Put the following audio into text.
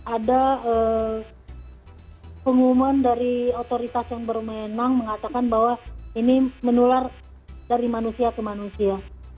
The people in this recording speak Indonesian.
ada pengumuman dari otoritas yang berwenang mengatakan bahwa ini menular dari manusia ke manusia